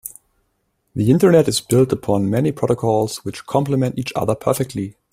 The internet is built upon many protocols which compliment each other perfectly.